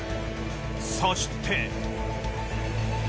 そして。